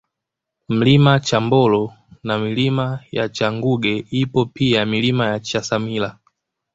Mlima Chambolo na Milima ya Changuge ipo pia Milima ya Chasamila